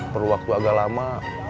perlu waktu agak lama